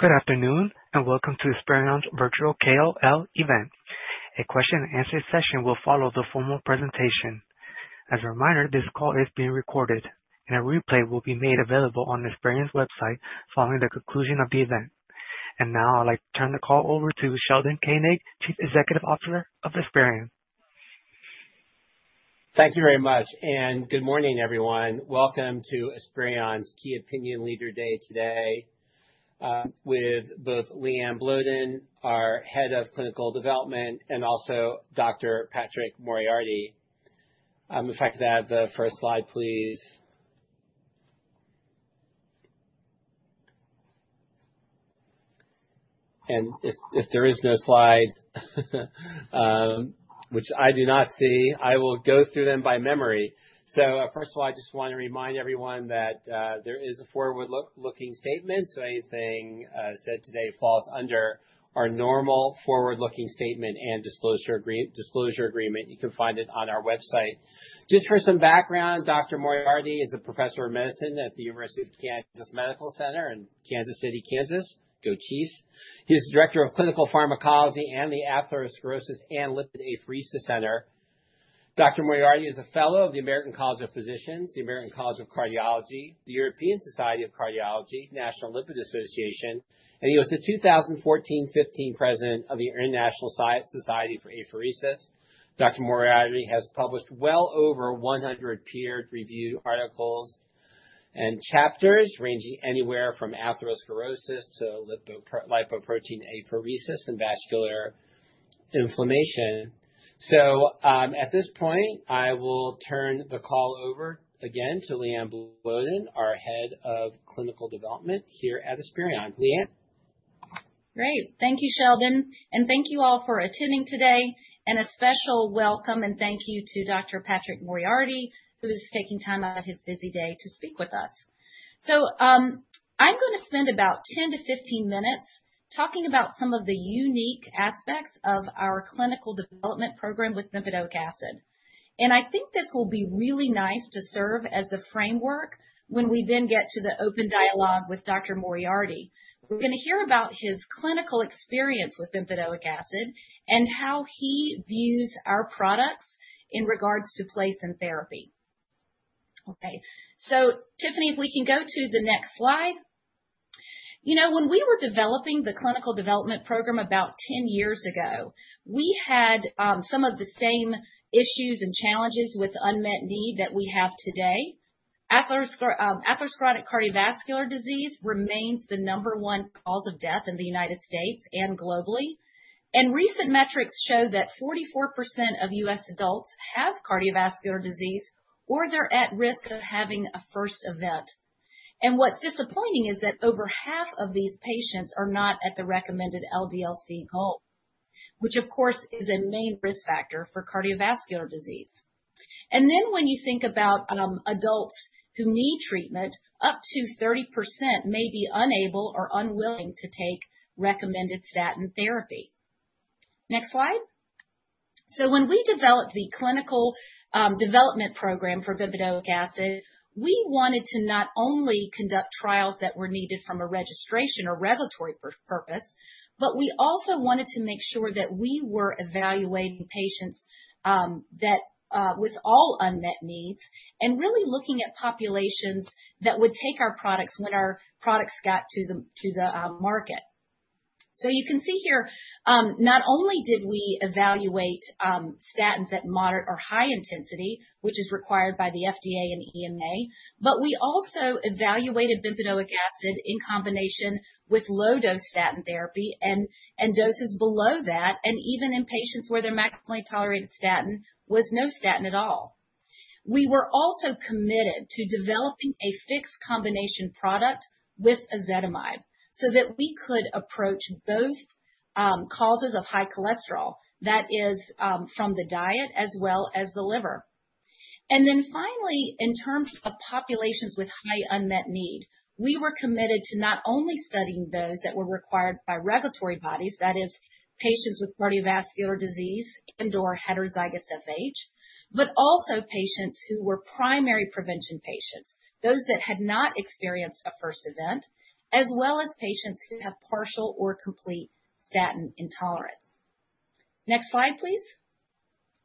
Good afternoon and welcome to Esperion's virtual KOL event. A question-and-answer session will follow the formal presentation. As a reminder, this call is being recorded, and a replay will be made available on Esperion's website following the conclusion of the event, and now I'd like to turn the call over to Sheldon Koenig, Chief Executive Officer of Esperion. Thank you very much, and good morning, everyone. Welcome to Esperion's Key Opinion Leader Day today with both LeAnne Bloedon, our Head of Clinical Development, and also Dr. Patrick Moriarty. I'm ready to have the first slide, please. If there is no slide, which I do not see, I will go through them by memory. So first of all, I just want to remind everyone that there is a forward-looking statement, so anything said today falls under our normal forward-looking statement and disclosure agreement. You can find it on our website. Just for some background, Dr. Moriarty is a professor of medicine at the University of Kansas Medical Center in Kansas City, Kansas. Go Chiefs. He is the Director of Clinical Pharmacology and the Atherosclerosis and Lipid Apheresis Center. Dr. Moriarty is a Fellow of the American College of Physicians, the American College of Cardiology, the European Society of Cardiology, National Lipid Association, and he was the 2014-2015 President of the International Society for Apheresis. Dr. Moriarty has published well over 100 peer-reviewed articles and chapters ranging anywhere from atherosclerosis to lipoprotein apheresis and vascular inflammation. So at this point, I will turn the call over again to LeAnne Bloedon, our Head of Clinical Development here at Esperion. LeAnne. Great. Thank you, Sheldon, and thank you all for attending today. A special welcome and thank you to Dr. Patrick Moriarty, who is taking time out of his busy day to speak with us, so I'm going to spend about 10 to 15 minutes talking about some of the unique aspects of our clinical development program with bempedoic acid, and I think this will be really nice to serve as the framework when we then get to the open dialogue with Dr. Moriarty. We're going to hear about his clinical experience with bempedoic acid and how he views our products in regards to place in therapy. Okay, so Tiffany, if we can go to the next slide. You know, when we were developing the clinical development program about 10 years ago, we had some of the same issues and challenges with unmet need that we have today. Atherosclerotic cardiovascular disease remains the number one cause of death in the United States and globally. Recent metrics show that 44% of U.S. adults have cardiovascular disease or they're at risk of having a first event. What's disappointing is that over half of these patients are not at the recommended LDL-C goal, which of course is a main risk factor for cardiovascular disease. When you think about adults who need treatment, up to 30% may be unable or unwilling to take recommended statin therapy. Next slide. When we developed the clinical development program for bempedoic acid, we wanted to not only conduct trials that were needed from a registration or regulatory purpose, but we also wanted to make sure that we were evaluating patients with all unmet needs and really looking at populations that would take our products when our products got to the market. So you can see here, not only did we evaluate statins at moderate or high intensity, which is required by the FDA and EMA, but we also evaluated bempedoic acid in combination with low-dose statin therapy and doses below that, and even in patients where their maximally tolerated statin was no statin at all. We were also committed to developing a fixed combination product with ezetimibe so that we could approach both causes of high cholesterol, that is, from the diet as well as the liver. And then finally, in terms of populations with high unmet need, we were committed to not only studying those that were required by regulatory bodies, that is, patients with cardiovascular disease and/or heterozygous FH, but also patients who were primary prevention patients, those that had not experienced a first event, as well as patients who have partial or complete statin intolerance. Next slide, please.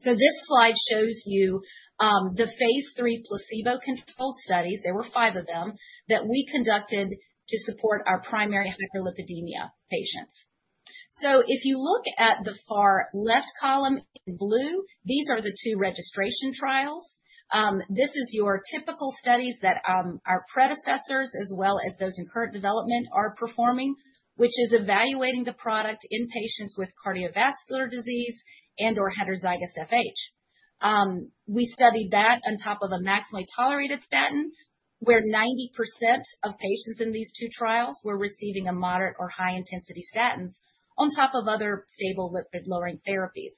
This slide shows you the phase III placebo-controlled studies. There were five of them that we conducted to support our primary hyperlipidemia patients. If you look at the far left column in blue, these are the two registration trials. This is your typical studies that our predecessors, as well as those in current development, are performing, which is evaluating the product in patients with cardiovascular disease and/or heterozygous FH. We studied that on top of a maximally tolerated statin where 90% of patients in these two trials were receiving a moderate or high intensity statins on top of other stable lipid-lowering therapies.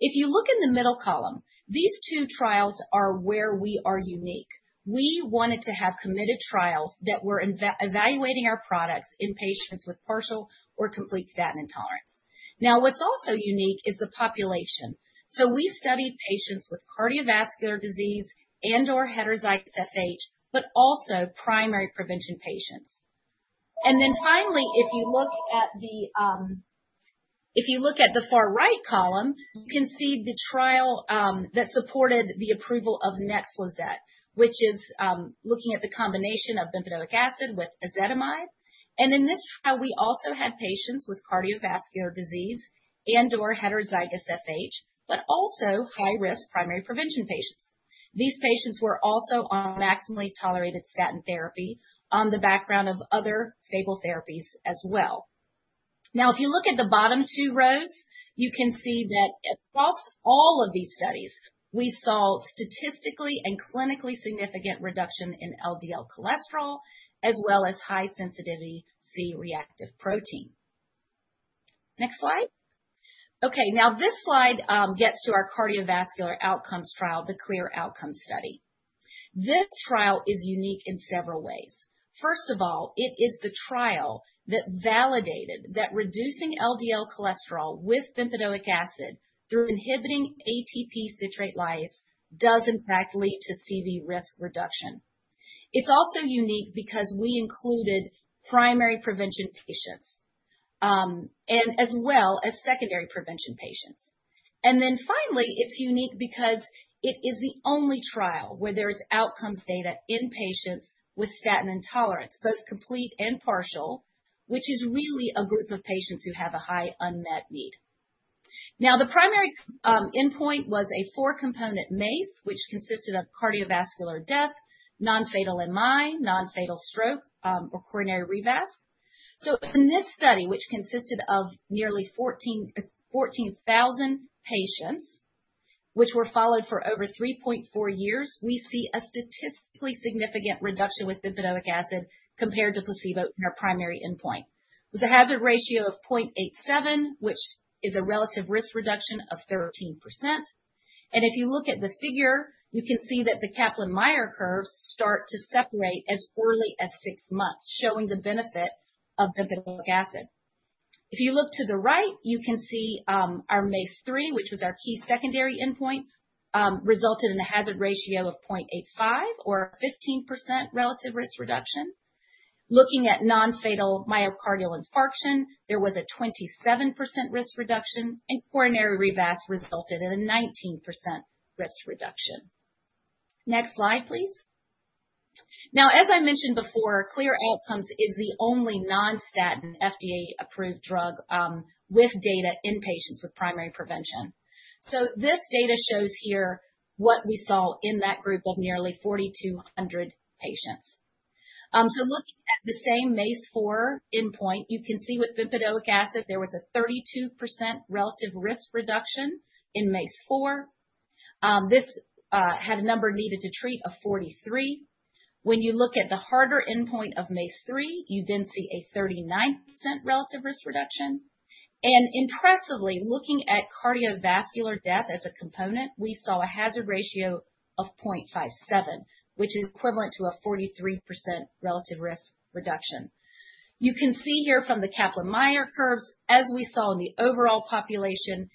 If you look in the middle column, these two trials are where we are unique. We wanted to have committed trials that were evaluating our products in patients with partial or complete statin intolerance. Now, what's also unique is the population. We studied patients with cardiovascular disease and/or heterozygous FH, but also primary prevention patients. And then finally, if you look at the far right column, you can see the trial that supported the approval of NEXLIZET, which is looking at the combination of bempedoic acid with ezetimibe. And in this trial, we also had patients with cardiovascular disease and/or heterozygous FH, but also high-risk primary prevention patients. These patients were also on maximally tolerated statin therapy on the background of other stable therapies as well. Now, if you look at the bottom two rows, you can see that across all of these studies, we saw statistically and clinically significant reduction in LDL cholesterol as well as high-sensitivity C-reactive protein. Next slide. Okay. Now, this slide gets to our cardiovascular outcomes trial, the CLEAR Outcomes study. This trial is unique in several ways. First of all, it is the trial that validated that reducing LDL cholesterol with bempedoic acid through inhibiting ATP citrate lyase does, in fact, lead to CV risk reduction. It's also unique because we included primary prevention patients as well as secondary prevention patients. And then finally, it's unique because it is the only trial where there is outcomes data in patients with statin intolerance, both complete and partial, which is really a group of patients who have a high unmet need. Now, the primary endpoint was a four-component MACE, which consisted of cardiovascular death, non-fatal MI, non-fatal stroke, or coronary revascularization. So in this study, which consisted of nearly 14,000 patients, which were followed for over 3.4 years, we see a statistically significant reduction with bempedoic acid compared to placebo in our primary endpoint. It was a hazard ratio of 0.87, which is a relative risk reduction of 13%. If you look at the figure, you can see that the Kaplan-Meier curves start to separate as early as six months, showing the benefit of bempedoic acid. If you look to the right, you can see our MACE-3, which was our key secondary endpoint, resulted in a hazard ratio of 0.85 or a 15% relative risk reduction. Looking at non-fatal myocardial infarction, there was a 27% risk reduction, and coronary revascularization resulted in a 19% risk reduction. Next slide, please. Now, as I mentioned before, CLEAR Outcomes is the only non-statin FDA-approved drug with data in patients with primary prevention. This data shows here what we saw in that group of nearly 4,200 patients. Looking at the same MACE-4 endpoint, you can see with bempedoic acid, there was a 32% relative risk reduction in MACE-4. This had a number needed to treat of 43. When you look at the harder endpoint of MACE-3, you then see a 39% relative risk reduction. And impressively, looking at cardiovascular death as a component, we saw a hazard ratio of 0.57, which is equivalent to a 43% relative risk reduction. You can see here from the Kaplan-Meier curves, as we saw in the overall population,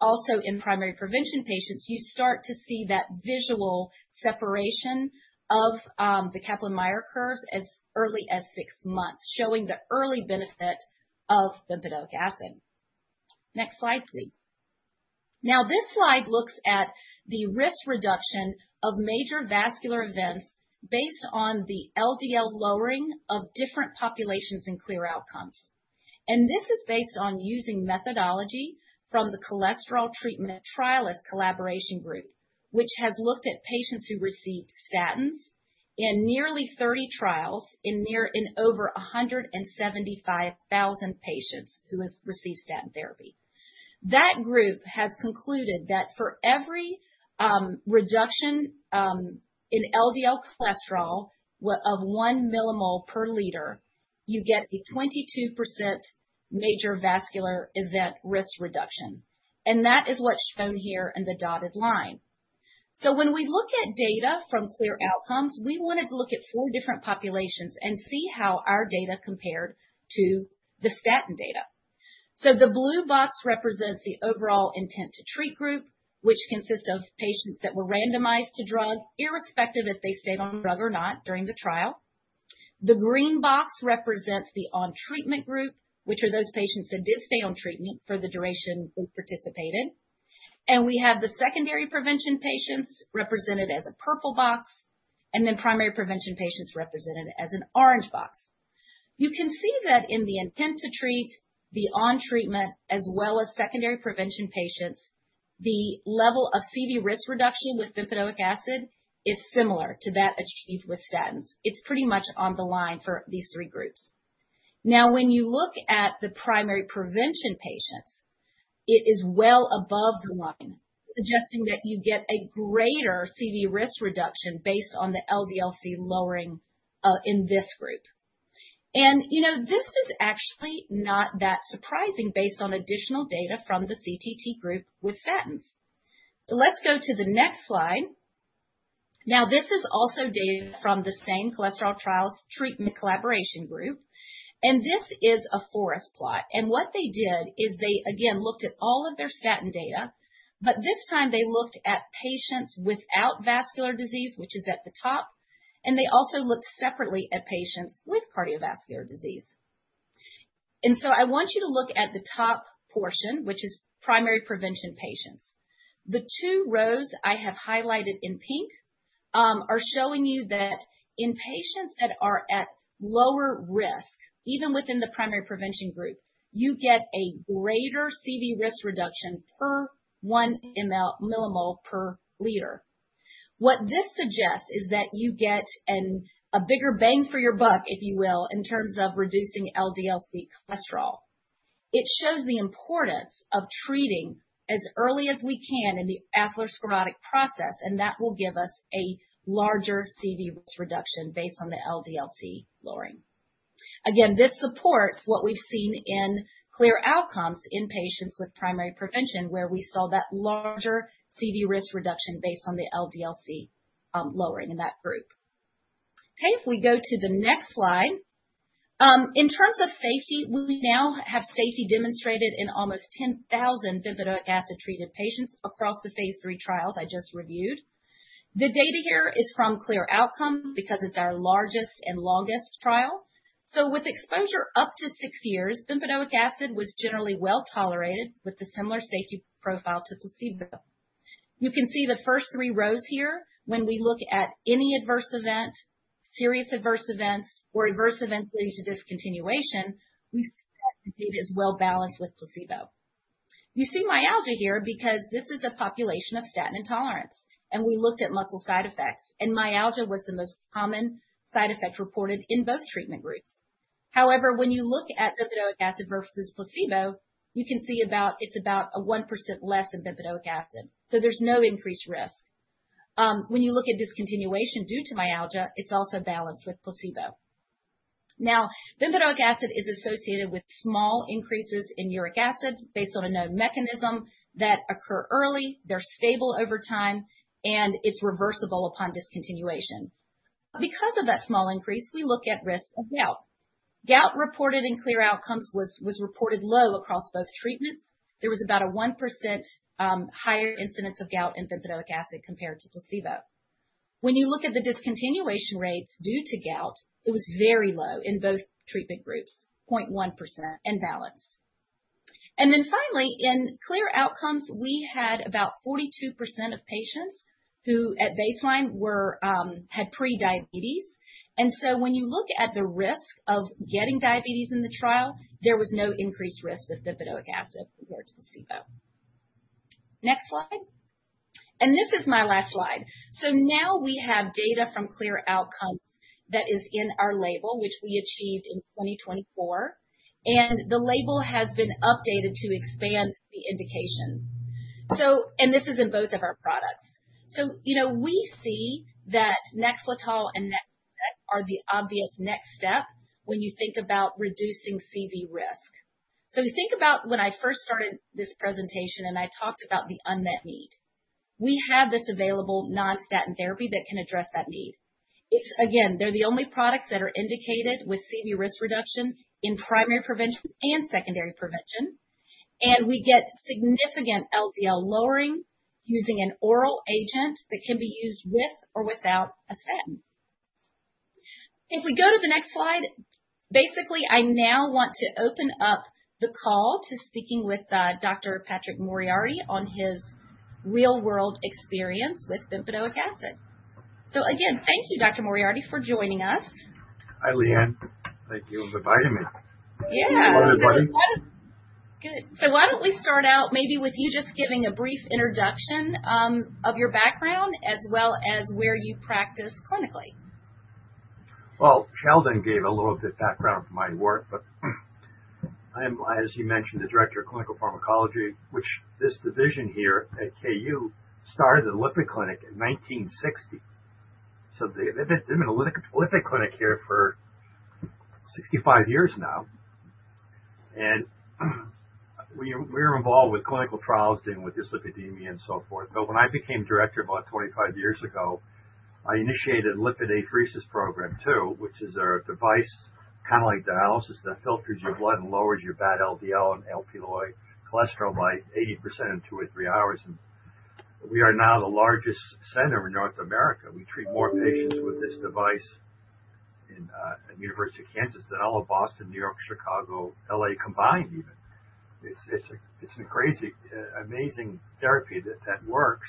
also in primary prevention patients, you start to see that visual separation of the Kaplan-Meier curves as early as six months, showing the early benefit of bempedoic acid. Next slide, please. Now, this slide looks at the risk reduction of major vascular events based on the LDL lowering of different populations in CLEAR Outcomes. And this is based on using methodology from the Cholesterol Treatment Trialists' Collaboration, which has looked at patients who received statins in nearly 30 trials in over 175,000 patients who have received statin therapy. That group has concluded that for every reduction in LDL cholesterol of one millimole per liter, you get a 22% major vascular event risk reduction. And that is what's shown here in the dotted line. So when we look at data from CLEAR Outcomes, we wanted to look at four different populations and see how our data compared to the statin data. So the blue box represents the overall intent to treat group, which consists of patients that were randomized to drug, irrespective if they stayed on drug or not during the trial. The green box represents the on-treatment group, which are those patients that did stay on treatment for the duration they participated. And we have the secondary prevention patients represented as a purple box, and then primary prevention patients represented as an orange box. You can see that in the intent to treat, the on-treatment, as well as secondary prevention patients, the level of CV risk reduction with bempedoic acid is similar to that achieved with statins. It's pretty much on the line for these three groups. Now, when you look at the primary prevention patients, it is well above the line, suggesting that you get a greater CV risk reduction based on the LDL-C lowering in this group. And you know, this is actually not that surprising based on additional data from the CTT group with statins. So let's go to the next slide. Now, this is also data from the same Cholesterol Treatment Trialists' Collaboration. And what they did is they, again, looked at all of their statin data, but this time they looked at patients without vascular disease, which is at the top. They also looked separately at patients with cardiovascular disease. So I want you to look at the top portion, which is primary prevention patients. The two rows I have highlighted in pink are showing you that in patients that are at lower risk, even within the primary prevention group, you get a greater CV risk reduction per one millimole per liter. What this suggests is that you get a bigger bang for your buck, if you will, in terms of reducing LDL-C cholesterol. It shows the importance of treating as early as we can in the atherosclerotic process, and that will give us a larger CV risk reduction based on the LDL-C lowering. Again, this supports what we've seen in CLEAR Outcomes in patients with primary prevention, where we saw that larger CV risk reduction based on the LDL-C lowering in that group. Okay. If we go to the next slide. In terms of safety, we now have safety demonstrated in almost 10,000 bempedoic acid treated patients across the phase III trials I just reviewed. The data here is from CLEAR Outcomes because it's our largest and longest trial, so with exposure up to six years, bempedoic acid was generally well tolerated with the similar safety profile to placebo. You can see the first three rows here. When we look at any adverse event, serious adverse events, or adverse events leading to discontinuation, we see that the data is well balanced with placebo. You see myalgia here because this is a population of statin intolerance, and we looked at muscle side effects, and myalgia was the most common side effect reported in both treatment groups. However, when you look at bempedoic acid versus placebo, you can see it's about 1% less in bempedoic acid, so there's no increased risk. When you look at discontinuation due to myalgia, it's also balanced with placebo. Now, bempedoic acid is associated with small increases in uric acid based on a known mechanism that occur early. They're stable over time, and it's reversible upon discontinuation. Because of that small increase, we look at risk of gout. Gout reported in CLEAR Outcomes was low across both treatments. There was about a 1% higher incidence of gout in bempedoic acid compared to placebo. When you look at the discontinuation rates due to gout, it was very low in both treatment groups, 0.1% and balanced. And then finally, in CLEAR Outcomes, we had about 42% of patients who at baseline had prediabetes. And so when you look at the risk of getting diabetes in the trial, there was no increased risk with bempedoic acid compared to placebo. Next slide. And this is my last slide. So now we have data from CLEAR Outcomes that is in our label, which we achieved in 2024. And the label has been updated to expand the indication. And this is in both of our products. So you know, we see that NEXLETOL and NEXLIZET are the obvious next step when you think about reducing CV risk. So you think about when I first started this presentation and I talked about the unmet need. We have this available non-statin therapy that can address that need. Again, they're the only products that are indicated with CV risk reduction in primary prevention and secondary prevention. And we get significant LDL lowering using an oral agent that can be used with or without a statin. If we go to the next slide, basically, I now want to open up the call to speaking with Dr. Patrick Moriarty on his real-world experience with bempedoic acid. So again, thank you, Dr. Moriarty, for joining us. Hi, LeAnne. Thank you for inviting me. Yeah. Good. So why don't we start out maybe with you just giving a brief introduction of your background as well as where you practice clinically? Well, Sheldon gave a little bit of background from my work, but I am, as you mentioned, the director of clinical pharmacology, which this division here at KU started at the Lipid Clinic in 1960. So they've been at the Lipid Clinic here for 65 years now. And we were involved with clinical trials dealing with dyslipidemia and so forth. But when I became director about 25 years ago, I initiated a lipid apheresis program too, which is a device, kind of like dialysis, that filters your blood and lowers your bad LDL and Lp(a) cholesterol by 80% in two or three hours. And we are now the largest center in North America. We treat more patients with this device at the University of Kansas than all of Boston, New York, Chicago, LA combined even. It's an amazing therapy that works,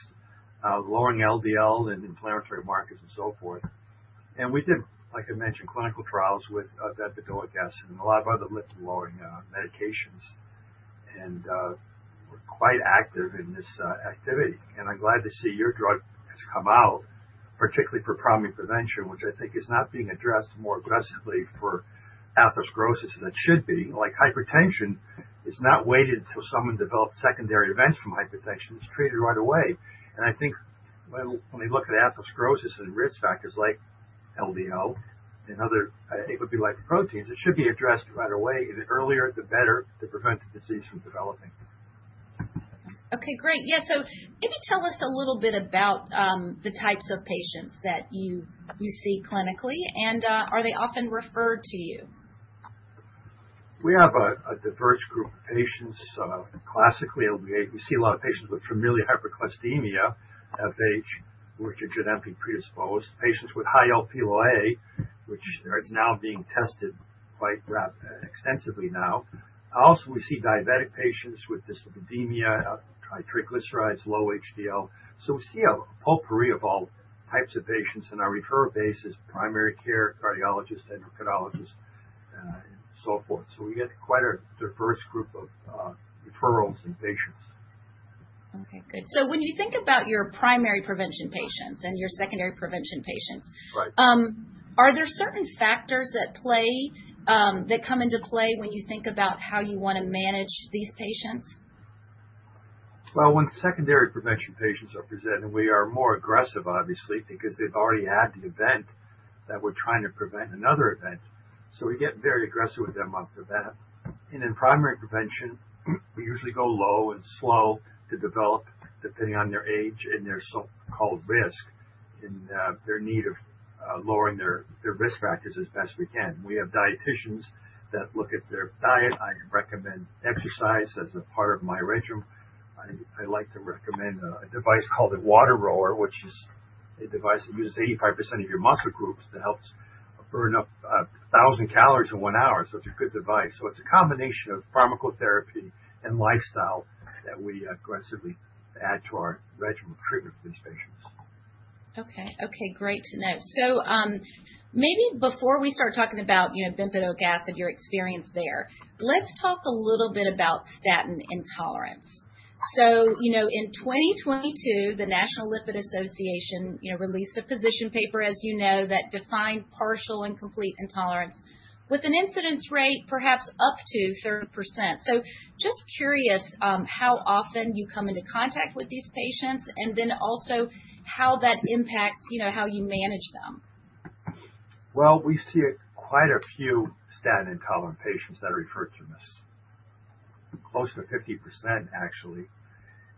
lowering LDL and inflammatory markers and so forth. And we did, like I mentioned, clinical trials with bempedoic acid and a lot of other lipid-lowering medications. And we're quite active in this activity. And I'm glad to see your drug has come out, particularly for primary prevention, which I think is not being addressed more aggressively for atherosclerosis than it should be. Like hypertension, it's not waited until someone develops secondary events from hypertension. It's treated right away, and I think when we look at atherosclerosis and risk factors like LDL and other ApoB proteins, it should be addressed right away. The earlier, the better to prevent the disease from developing. Okay. Great. Yeah, so maybe tell us a little bit about the types of patients that you see clinically, and are they often referred to you? We have a diverse group of patients. Classically, we see a lot of patients with familial hypercholesterolemia of age, which are genetically predisposed, patients with high Lp(a), which is now being tested quite extensively. Also, we see diabetic patients with dyslipidemia, triglycerides, low HDL. So we see a potpourri of all types of patients, and our referral base is primary care, cardiologists, endocrinologists, and so forth. So we get quite a diverse group of referrals and patients. Okay. Good. So when you think about your primary prevention patients and your secondary prevention patients, are there certain factors that come into play when you think about how you want to manage these patients? Well, when secondary prevention patients are presented, we are more aggressive, obviously, because they've already had the event that we're trying to prevent, another event. So we get very aggressive with them after that. And in primary prevention, we usually go low and slow to develop, depending on their age and their so-called risk, and their need of lowering their risk factors as best we can. We have dieticians that look at their diet. I recommend exercise as a part of my regimen. I like to recommend a device called a WaterRower, which is a device that uses 85% of your muscle groups that helps burn up 1,000 calories in one hour. So it's a good device. So it's a combination of pharmacotherapy and lifestyle that we aggressively add to our regimen of treatment for these patients. Okay. Okay. Great to know. So maybe before we start talking about bempedoic acid, your experience there, let's talk a little bit about statin intolerance. So in 2022, the National Lipid Association released a position paper, as you know, that defined partial and complete intolerance with an incidence rate perhaps up to 30%. So just curious how often you come into contact with these patients and then also how that impacts how you manage them. Well, we see quite a few statin-intolerant patients that are referred to us, close to 50%, actually.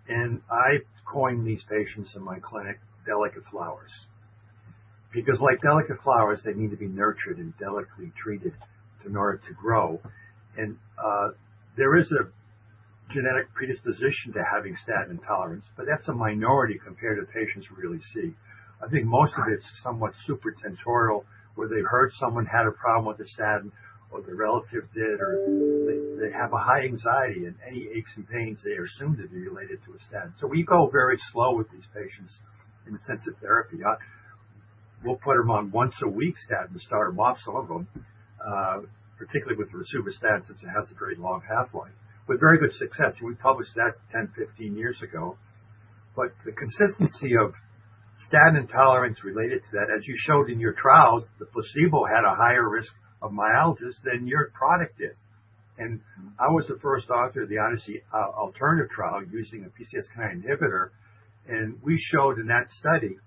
I coin these patients in my clinic delicate flowers because, like delicate flowers, they need to be nurtured and delicately treated in order to grow. There is a genetic predisposition to having statin intolerance, but that's a minority compared to patients we really see. I think most of it's somewhat supratentorial where they've heard someone had a problem with a statin or their relative did, or they have a high anxiety, and any aches and pains, they assume to be related to a statin. We go very slow with these patients in the sense of therapy. We'll put them on once-a-week statin to start them off, some of them, particularly with rosuvastatin since it has a very long half-life, with very good success. We published that 10, 15 years ago. But the consistency of statin intolerance related to that, as you showed in your trials, the placebo had a higher risk of myalgias than your product did. And I was the first author of the ODYSSEY ALTERNATIVE Trial using a PCSK9 inhibitor. And we showed in that study,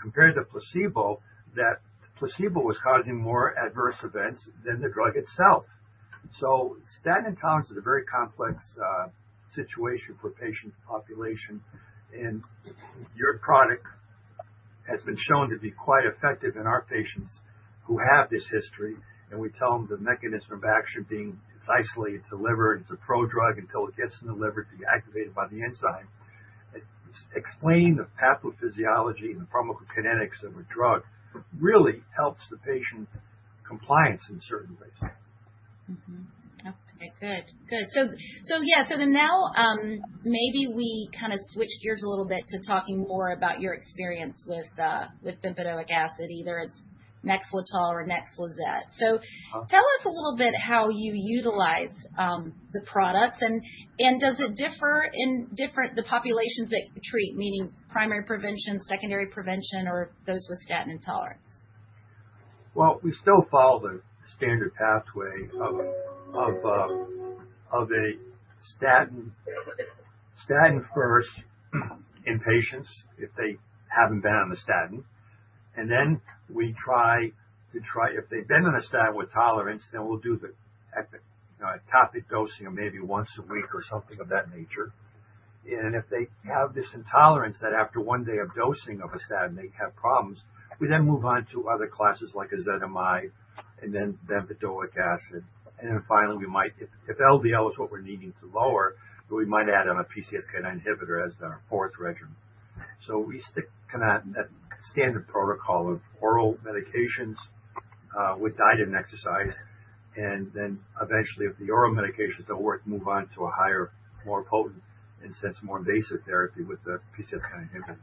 compared to placebo, that placebo was causing more adverse events than the drug itself. So statin intolerance is a very complex situation for patient populations. And your product has been shown to be quite effective in our patients who have this history. And we tell them the mechanism of action being it's isolated to the liver, and it's a pro-drug until it gets in the liver to be activated by the enzyme. Explain the pathophysiology and the pharmacokinetics of a drug really helps the patient compliance in certain ways. Okay. Good. Good. So yeah. So then now maybe we kind of switch gears a little bit to talking more about your experience with bempedoic acid, either as NEXLETOL or NEXLIZET. So tell us a little bit how you utilize the products, and does it differ in the populations that you treat, meaning primary prevention, secondary prevention, or those with statin intolerance? Well, we still follow the standard pathway of a statin first in patients if they haven't been on the statin. And then we try if they've been on a statin with intolerance, then we'll do the low-dose dosing of maybe once a week or something of that nature. And if they have this intolerance that after one day of dosing of a statin, they have problems, we then move on to other classes like ezetimibe and then bempedoic acid. And then finally, we might, if LDL is what we're needing to lower, we might add on a PCSK9 inhibitor as our fourth regimen. So we stick kind of that standard protocol of oral medications with diet and exercise. And then eventually, if the oral medications don't work, move on to a higher, more potent and hence more invasive therapy with the PCSK9 inhibitors.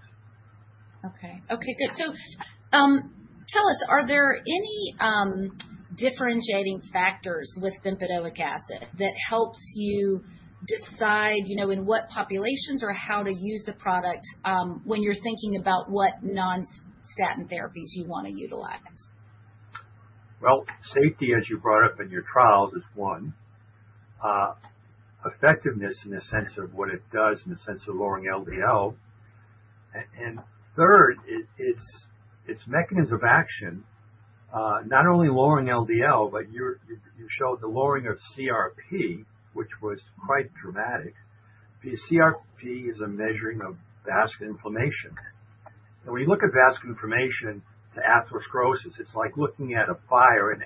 Okay. Okay. Good. So tell us, are there any differentiating factors with bempedoic acid that helps you decide in what populations or how to use the product when you're thinking about what non-statin therapies you want to utilize? Well, safety, as you brought up in your trials, is one. Effectiveness in the sense of what it does in the sense of lowering LDL. And third, its mechanism of action, not only lowering LDL, but you showed the lowering of CRP, which was quite dramatic. The CRP is a measuring of vascular inflammation. And when you look at vascular inflammation to atherosclerosis, it's like looking at a fire, and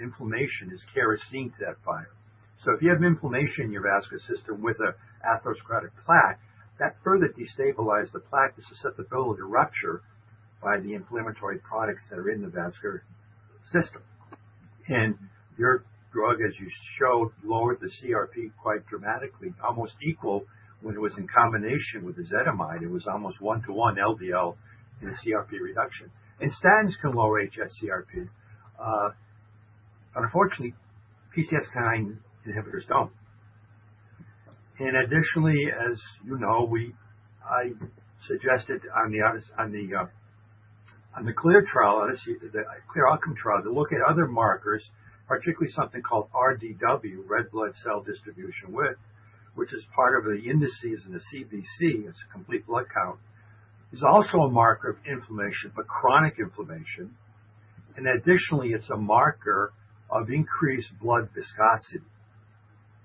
inflammation is kerosene to that fire. So if you have inflammation in your vascular system with an atherosclerotic plaque, that further destabilizes the plaque's susceptibility to rupture by the inflammatory products that are in the vascular system. And your drug, as you showed, lowered the CRP quite dramatically, almost equal when it was in combination with ezetimibe. It was almost one-to-one LDL and CRP reduction. And statins can lower HSCRP. Unfortunately, PCSK9 inhibitors don't. And additionally, as you know, I suggested on the CLEAR trial, the CLEAR Outcomes trial, to look at other markers, particularly something called RDW, Red blood cell distribution width, which is part of the indices in the CBC, it's a Complete Blood Count. It's also a marker of inflammation, but chronic inflammation. And additionally, it's a marker of increased blood viscosity,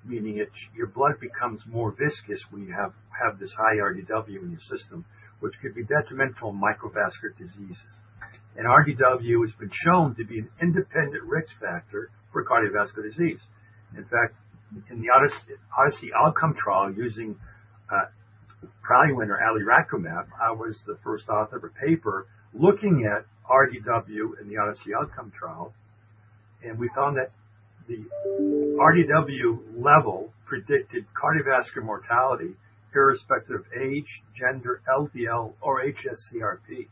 meaning your blood becomes more viscous when you have this high RDW in your system, which could be detrimental to microvascular diseases. And RDW has been shown to be an independent risk factor for cardiovascular disease. In fact, in the ODYSSEY OUTCOMES trial using PRALUENT or alirocumab, I was the first author of a paper looking at RDW in the ODYSSEY OUTCOMES trial. And we found that the RDW level predicted cardiovascular mortality irrespective of age, gender, LDL, or hsCRP.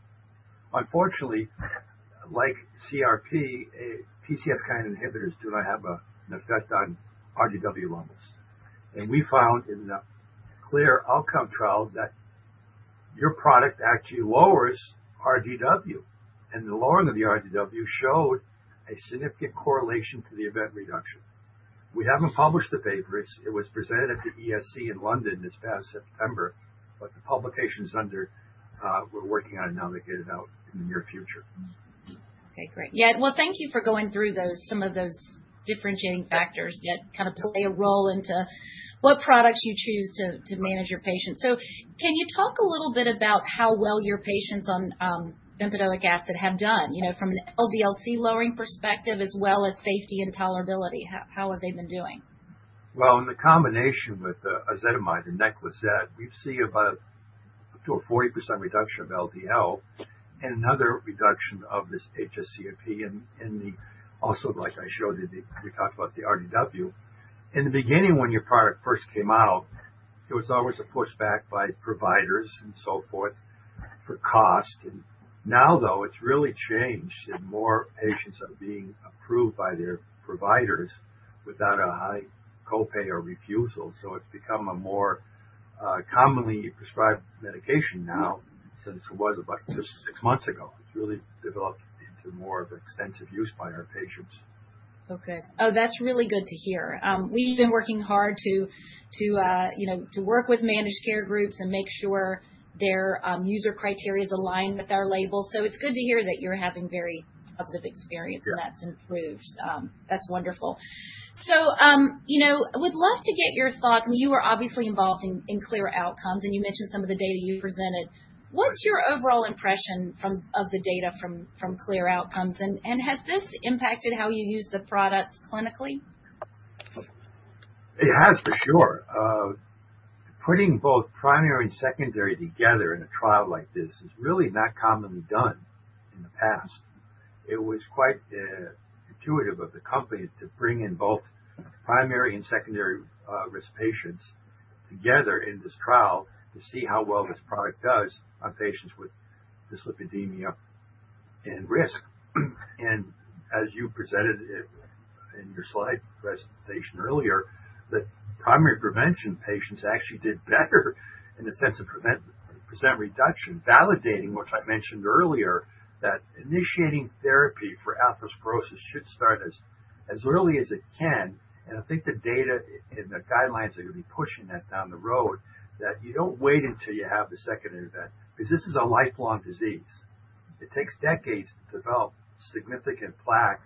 Unfortunately, like CRP, PCSK9 inhibitors do not have an effect on RDW levels. And we found in the CLEAR Outcomes trial that your product actually lowers RDW. And the lowering of the RDW showed a significant correlation to the event reduction. We haven't published the paper. It was presented at the ESC in London this past September, but the publications underway. We're working on it now to get it out in the near future. Okay. Great. Yeah. Well, thank you for going through some of those differentiating factors that kind of play a role into what products you choose to manage your patients. So can you talk a little bit about how well your patients on bempedoic acid have done from an LDL-C lowering perspective as well as safety and tolerability? How have they been doing? Well, in the combination with ezetimibe and NEXLIZET, we see about up to a 40% reduction of LDL and another reduction of this hsCRP. And also, like I showed you, we talked about the RDW. In the beginning, when your product first came out, there was always a pushback by providers and so forth for cost. And now, though, it's really changed and more patients are being approved by their providers without a high copay or refusal. So it's become a more commonly prescribed medication now since it was about just six months ago. It's really developed into more of an extensive use by our patients. Oh, good. Oh, that's really good to hear. We've been working hard to work with managed care groups and make sure their user criteria is aligned with our labels. So it's good to hear that you're having very positive experience and that's improved. That's wonderful. So I would love to get your thoughts. I mean, you were obviously involved in CLEAR Outcomes, and you mentioned some of the data you presented. What's your overall impression of the data from CLEAR Outcomes? And has this impacted how you use the products clinically? It has, for sure. Putting both primary and secondary together in a trial like this is really not commonly done in the past. It was quite intuitive of the company to bring in both primary and secondary risk patients together in this trial to see how well this product does on patients with dyslipidemia and risk. And as you presented in your slide presentation earlier, the primary prevention patients actually did better in the sense of % reduction, validating, which I mentioned earlier, that initiating therapy for atherosclerosis should start as early as it can. And I think the data and the guidelines are going to be pushing that down the road that you don't wait until you have the secondary event because this is a lifelong disease. It takes decades to develop significant plaque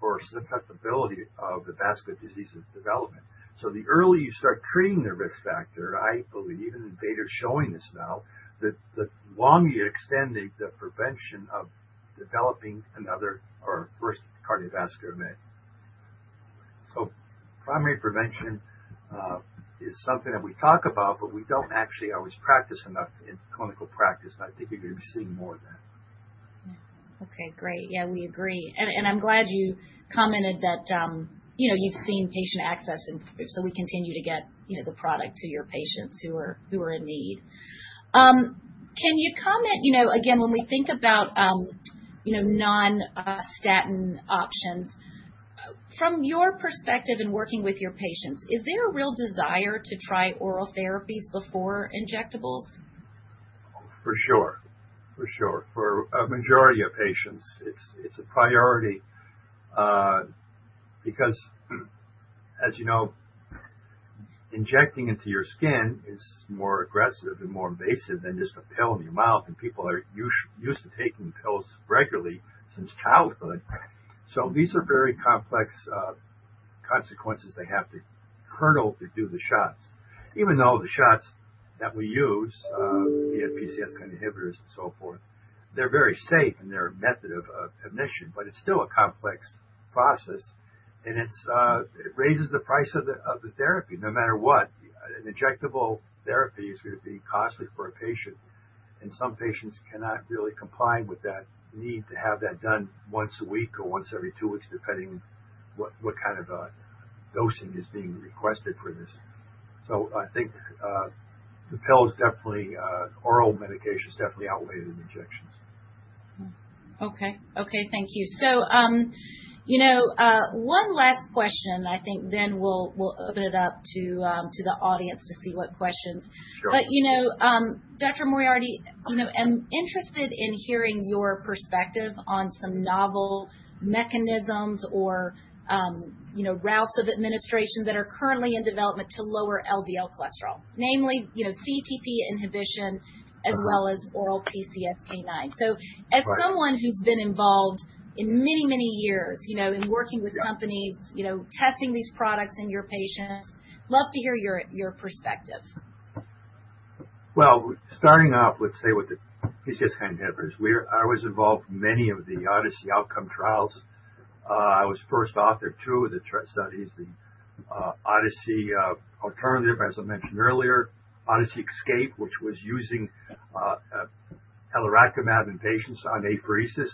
for susceptibility of the vascular disease development. So the earlier you start treating the risk factor, I believe, and data is showing this now, the longer you extend the prevention of developing another or first cardiovascular event. So primary prevention is something that we talk about, but we don't actually always practice enough in clinical practice. And I think you're going to be seeing more of that. Okay. Great. Yeah, we agree. And I'm glad you commented that you've seen patient access, and so we continue to get the product to your patients who are in need. Can you comment, again, when we think about non-statin options, from your perspective in working with your patients, is there a real desire to try oral therapies before injectables? For sure. For sure. For a majority of patients, it's a priority because, as you know, injecting into your skin is more aggressive and more invasive than just a pill in your mouth, and people are used to taking pills regularly since childhood, so these are very complex consequences they have to hurdle to do the shots. Even though the shots that we use, be it PCSK9 inhibitors and so forth, they're very safe in their method of administration, but it's still a complex process, and it raises the price of the therapy no matter what. An injectable therapy is going to be costly for a patient, and some patients cannot really comply with that need to have that done once a week or once every two weeks, depending on what kind of dosing is being requested for this, so I think the pills definitely, oral medications definitely outweigh the injections. Okay. Okay. Thank you. So one last question, I think then we'll open it up to the audience to see what questions. But Dr. Moriarty, I'm interested in hearing your perspective on some novel mechanisms or routes of administration that are currently in development to lower LDL cholesterol, namely CETP inhibition as well as oral PCSK9. So as someone who's been involved in many, many years in working with companies, testing these products in your patients, I'd love to hear your perspective. Well, starting off, let's say, with the PCSK9 inhibitors, I was involved in many of the ODYSSEY Outcomes Trials. I was first author of two of the ODYSSEY studies, the ODYSSEY ALTERNATIVE, as I mentioned earlier, ODYSSEY ESCAPE, which was using alirocumab in patients on apheresis.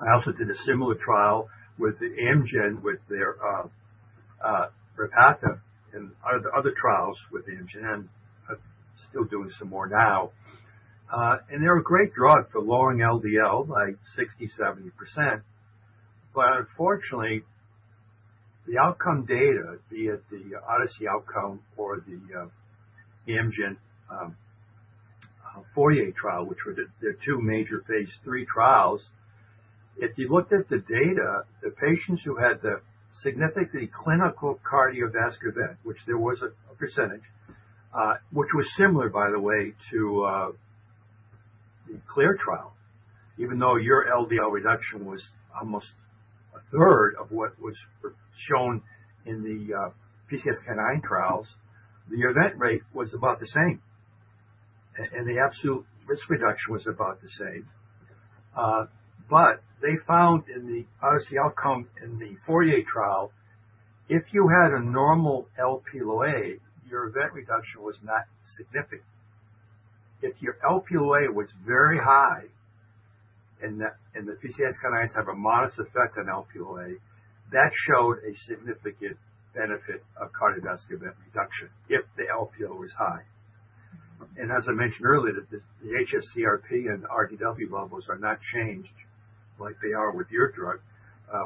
I also did a similar trial with Amgen with their REPATHA, and other trials with Amgen. I'm still doing some more now. They're a great drug for lowering LDL by 60%-70%. But unfortunately, the outcome data, be it the ODYSSEY OUTCOMES or the Amgen FOURIER trial, which were the two major phase III trials, if you looked at the data, the patients who had the significant clinical cardiovascular event, which there was a percentage, which was similar, by the way, to the CLEAR trial, even though your LDL reduction was almost a third of what was shown in the PCSK9 trials, the event rate was about the same. And the absolute risk reduction was about the same. But they found in the ODYSSEY OUTCOMES in the 48 trial, if you had a normal Lp(a), your event reduction was not significant. If your Lp(a) was very high and the PCSK9s have a modest effect on Lp(a), that showed a significant benefit of cardiovascular event reduction if the Lp(a) was high. As I mentioned earlier, the hsCRP and RDW levels are not changed like they are with your drug,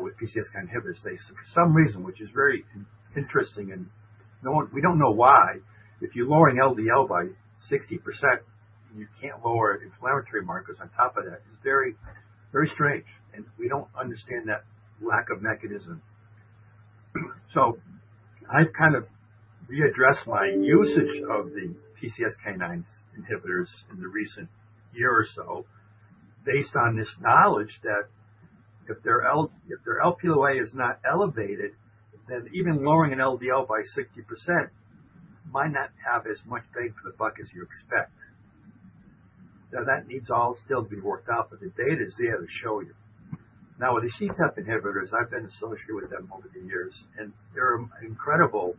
with PCSK9 inhibitors. For some reason, which is very interesting, and we don't know why, if you're lowering LDL by 60% and you can't lower inflammatory markers on top of that, it's very strange. And we don't understand that lack of mechanism. So I've kind of readdressed my usage of the PCSK9 inhibitors in the recent year or so based on this knowledge that if their Lp(a) is not elevated, then even lowering an LDL by 60% might not have as much bang for the buck as you expect. Now, that needs all still to be worked out, but the data is there to show you. Now, with the CETP inhibitors, I've been associated with them over the years, and they're an incredible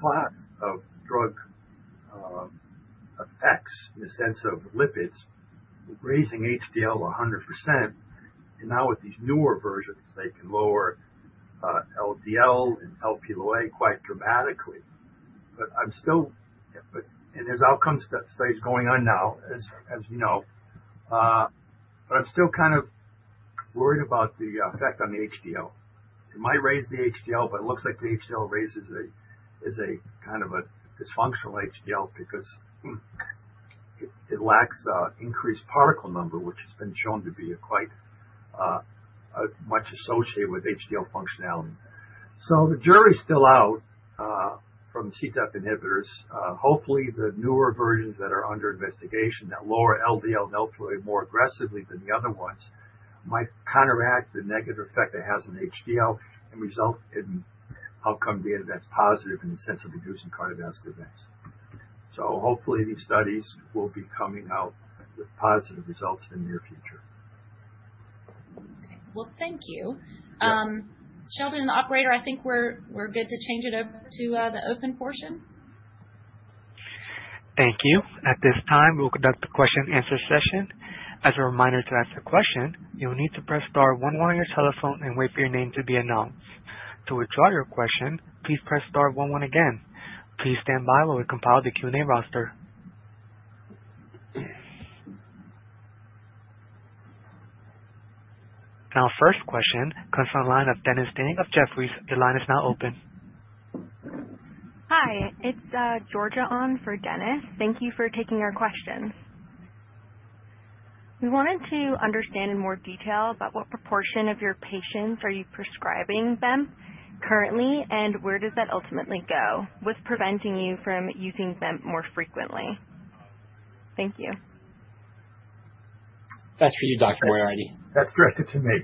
class of drug effects in the sense of lipids raising HDL to 100%. Now with these newer versions, they can lower LDL and Lp(a) quite dramatically. I'm still, and there's outcome studies going on now, as you know, but I'm still kind of worried about the effect on the HDL. It might raise the HDL, but it looks like the HDL raises a kind of a dysfunctional HDL because it lacks increased particle number, which has been shown to be quite much associated with HDL functionality. So the jury's still out from CETP inhibitors. Hopefully, the newer versions that are under investigation that lower LDL and Lp(a) more aggressively than the other ones might counteract the negative effect it has on HDL and result in outcome data that's positive in the sense of reducing cardiovascular events. So hopefully, these studies will be coming out with positive results in the near future. Okay. Well, thank you. Sheldon, operator, I think we're good to change it over to the open portion. Thank you. At this time, we'll conduct a question-and-answer session. As a reminder to ask a question, you'll need to press star one one on your telephone and wait for your name to be announced. To withdraw your question, please press star one one again. Please stand by while we compile the Q&A roster. Now, first question comes from the line of Dennis Ding of Jefferies. Your line is now open. Hi. It's Georgia on for Dennis. Thank you for taking our questions. We wanted to understand in more detail about what proportion of your patients are you prescribing BEM currently, and where does that ultimately go with preventing you from using BEM more frequently? Thank you. That's for you, Dr. Moriarty. That's directed to me.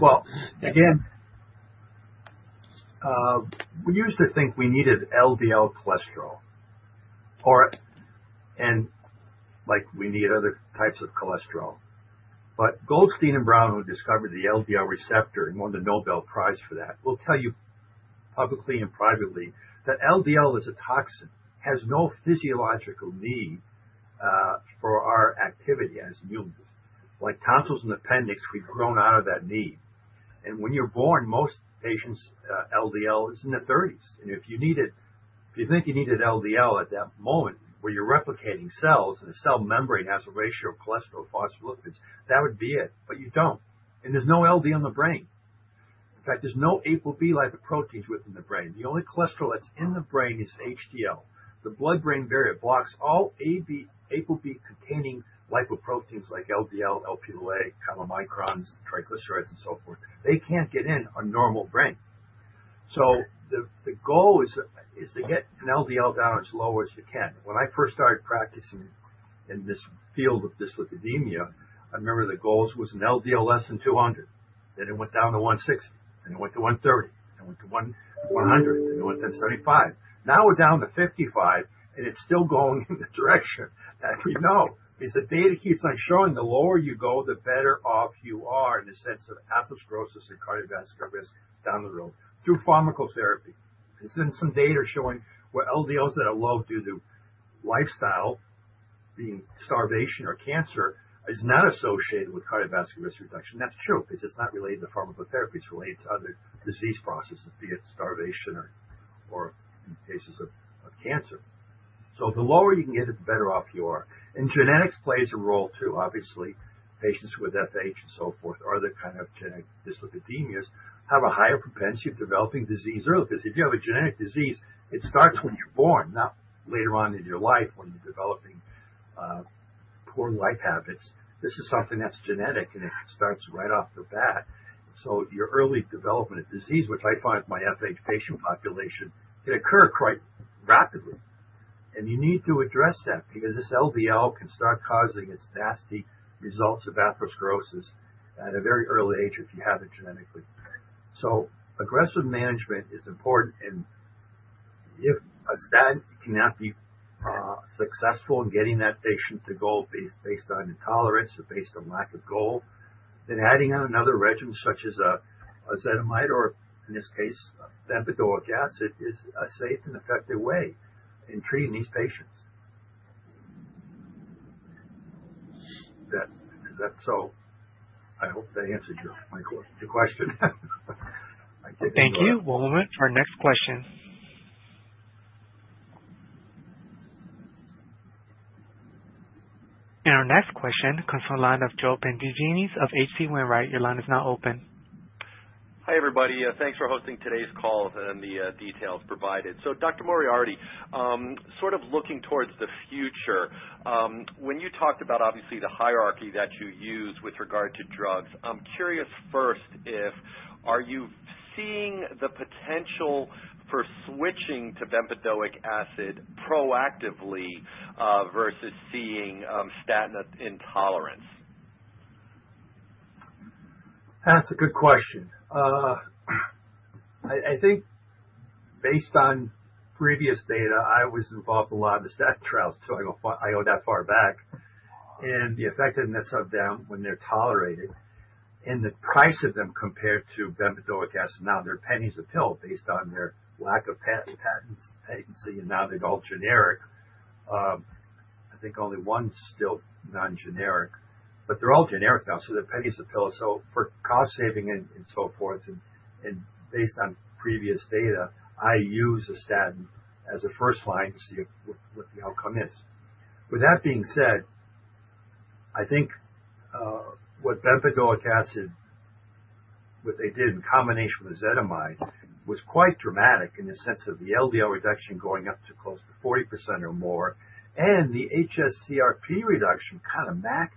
Well, again, we used to think we needed LDL cholesterol and we need other types of cholesterol. But Goldstein and Brown who discovered the LDL receptor and won the Nobel Prize for that will tell you publicly and privately that LDL is a toxin, has no physiological need for our activity as immune systems. Like tonsils and appendix, we've grown out of that need. And when you're born, most patients' LDL is in the 30s. And if you think you needed LDL at that moment where you're replicating cells and the cell membrane has a ratio of cholesterol to phospholipids, that would be it. But you don't. And there's no LDL in the brain. In fact, there's no ApoB lipoproteins within the brain. The only cholesterol that's in the brain is HDL. The blood-brain barrier blocks all ApoB-containing lipoproteins like LDL, Lp(a), chylomicrons, triglycerides, and so forth. They can't get in a normal brain. So the goal is to get an LDL down as low as you can. When I first started practicing in this field of dyslipidemia, I remember the goals was an LDL less than 200. Then it went down to 160, and it went to 130, and it went to 100, and it went to 75. Now we're down to 55, and it's still going in the direction that we know. Because the data keeps on showing the lower you go, the better off you are in the sense of atherosclerosis and cardiovascular risk down the road through pharmacotherapy. There's been some data showing where LDLs that are low due to lifestyle, being starvation or cancer, is not associated with cardiovascular risk reduction. That's true because it's not related to pharmacotherapy. It's related to other disease processes, be it starvation or in cases of cancer, so the lower you can get it, the better off you are, and genetics plays a role too, obviously. Patients with FH and so forth, other kinds of genetic dyslipidemias, have a higher propensity of developing disease early. Because if you have a genetic disease, it starts when you're born, not later on in your life when you're developing poor life habits. This is something that's genetic, and it starts right off the bat. Your early development of disease, which I find in my FH patient population, can occur quite rapidly. You need to address that because this LDL can start causing its nasty results of atherosclerosis at a very early age if you have it genetically. Aggressive management is important. If a statin cannot be successful in getting that patient to goal based on intolerance or based on lack of goal, then adding on another regimen such as ezetimibe or, in this case, bempedoic acid is a safe and effective way in treating these patients. I hope that answered your question. Thank you. One moment for our next question. Our next question comes from the line of Joe Pantginis of H.C. Wainwright. Your line is now open. Hi, everybody. Thanks for hosting today's call and the details provided. So Dr. Moriarty, sort of looking towards the future, when you talked about, obviously, the hierarchy that you use with regard to drugs, I'm curious first if you're seeing the potential for switching to bempedoic acid proactively versus seeing statin intolerance. That's a good question. I think based on previous data, I was involved in a lot of the statin trials, so I go that far back, and the effectiveness of them when they're tolerated and the price of them compared to bempedoic acid. Now they're pennies a pill based on their lack of patent and now they're all generic. I think only one's still non-generic, but they're all generic now, so they're pennies a pill. So for cost saving and so forth, and based on previous data, I use a statin as a first line to see what the outcome is. With that being said, I think what bempedoic acid, what they did in combination with ezetimibe was quite dramatic in the sense of the LDL reduction going up to close to 40% or more, and the hsCRP reduction kind of max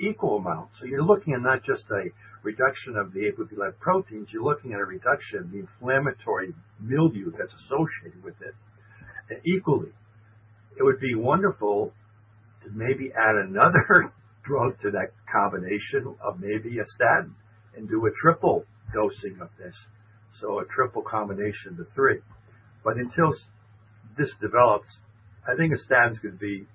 equal amount. So you're looking at not just a reduction of the ApoB-like proteins, you're looking at a reduction of the inflammatory milieu that's associated with it equally. It would be wonderful to maybe add another drug to that combination of maybe a statin and do a triple dosing of this, so a triple combination of the three. But until this develops, I think a statin is going to be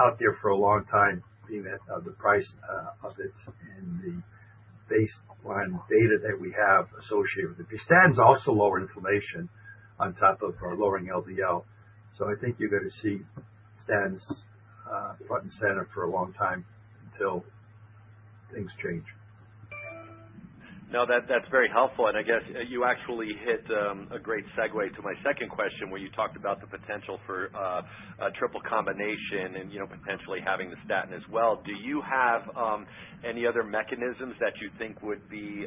out there for a long time, being that the price of it and the baseline data that we have associated with it. Because statin is also lowering inflammation on top of lowering LDL. So I think you're going to see statins front and center for a long time until things change. No, that's very helpful. And I guess you actually hit a great segue to my second question where you talked about the potential for triple combination and potentially having the statin as well. Do you have any other mechanisms that you think would be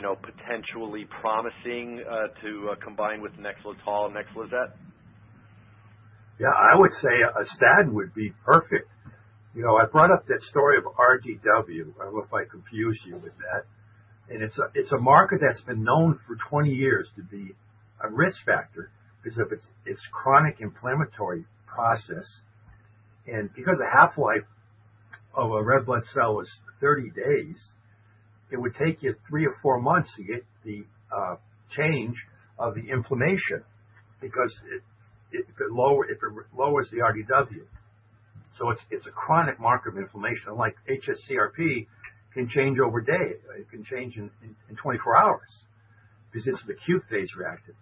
potentially promising to combine with NEXLETOL and NEXLIZET? Yeah. I would say a statin would be perfect. I brought up that story of RDW. I don't know if I confused you with that. And it's a marker that's been known for 20 years to be a risk factor because of its chronic inflammatory process. And because the half-life of a red blood cell is 30 days, it would take you three or four months to get the change of the inflammation because it lowers the RDW. It's a chronic marker of inflammation. Like hsCRP can change over a day. It can change in 24 hours because it's an acute phase reactant.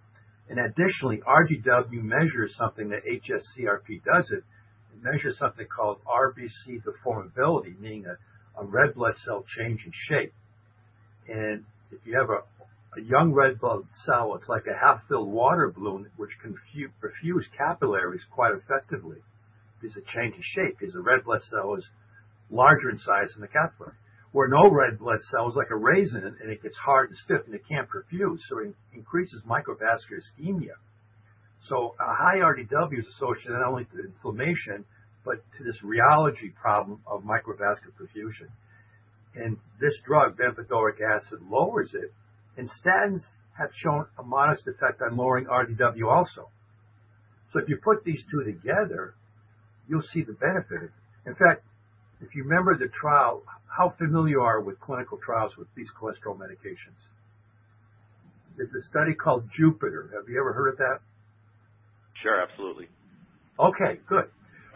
Additionally, RDW measures something that hsCRP doesn't. It measures something called RBC deformability, meaning a red blood cell change in shape. If you have a young red blood cell, it's like a half-filled water balloon, which can perfuse capillaries quite effectively because it changes shape because the red blood cell is larger in size than the capillary. Whereas an old red blood cell is like a raisin, and it gets hard and stiff, and it can't perfuse, so it increases microvascular ischemia. A high RDW is associated not only to inflammation but to this rheology problem of microvascular perfusion. This drug, bempedoic acid, lowers it. Statins have shown a modest effect on lowering RDW also. So if you put these two together, you'll see the benefit. In fact, if you remember the trial, how familiar are you with clinical trials with these cholesterol medications? There's a study called JUPITER. Have you ever heard of that? Sure. Absolutely. Okay. Good.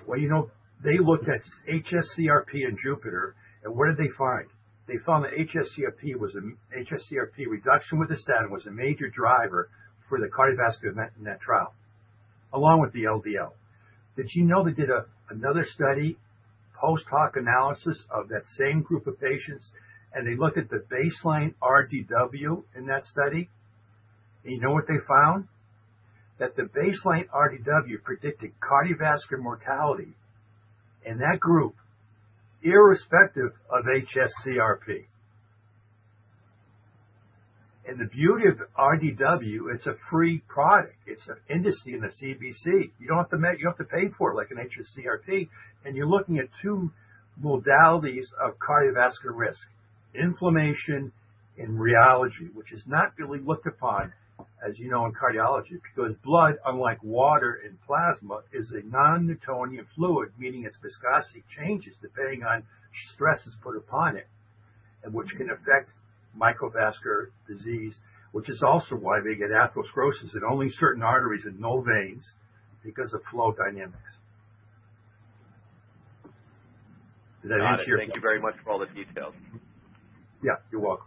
Well, they looked at HSCRP and JUPITER. And what did they find? They found that HSCRP reduction with the statin was a major driver for the cardiovascular event in that trial, along with the LDL. Did you know they did another study, post-hoc analysis of that same group of patients, and they looked at the baseline RDW in that study? And you know what they find? That the baseline RDW predicted cardiovascular mortality in that group irrespective of HSCRP. And the beauty of RDW, it's a free product. It's an industry in the CBC. You don't have to pay for it like an HSCRP. You're looking at two modalities of cardiovascular risk: inflammation and rheology, which is not really looked upon, as you know, in cardiology because blood, unlike water and plasma, is a non-Newtonian fluid, meaning its viscosity changes depending on stresses put upon it, which can affect microvascular disease, which is also why they get atherosclerosis in only certain arteries and no veins because of flow dynamics. Did that answer your question? Thank you very much for all the details. Yeah. You're welcome.